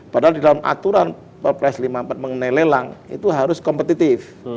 padahal di dalam aturan perpres lima puluh empat mengenai lelang itu harus kompetitif